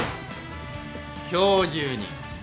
今日中に。